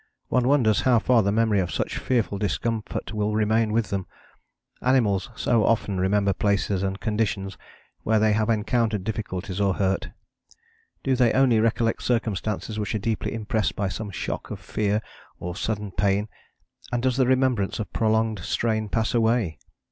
One wonders how far the memory of such fearful discomfort will remain with them animals so often remember places and conditions where they have encountered difficulties or hurt. Do they only recollect circumstances which are deeply impressed by some shock of fear or sudden pain, and does the remembrance of prolonged strain pass away?